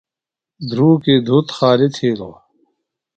دھرُوکی دُھت خالیۡ تِھیلوۡ۔